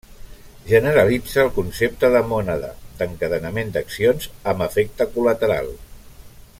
Generalitza el concepte de Mònada, d'encadenament d'accions amb efecte col·lateral.